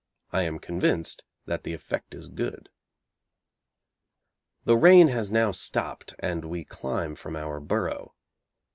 I am convinced that the effect is good. The rain has now stopped, and we climb from our burrow.